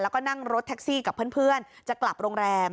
แล้วก็นั่งรถแท็กซี่กับเพื่อนจะกลับโรงแรม